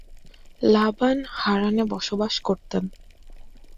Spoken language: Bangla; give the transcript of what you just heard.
লাবান হারানে বসবাস করতেন।